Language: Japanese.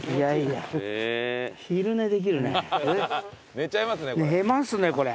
寝ちゃいますねこれ。